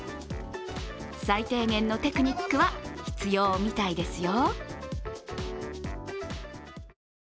最低限のテクニックは必要みたいですよ。